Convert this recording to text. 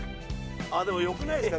ああでも良くないですか？